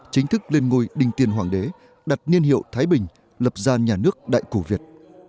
chính thức lên ngôi đình tiên hoàng đế đặt niên hiệu thái bình lập ra nhà nước đại cổ việt